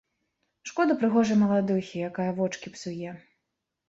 Шкода прыгожай маладухі, якая вочкі псуе.